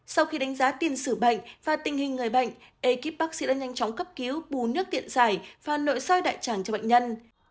sau khi đánh giá tiền sử bệnh và tình hình người bệnh ekip bác sĩ đã nhanh chóng cấp cứu bù nước tiện giải và nội soi đại tràng cho bệnh nhân